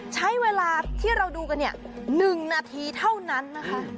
ใช้เวลาที่เราดูกันเนี่ย๑นาทีเท่านั้นนะคะ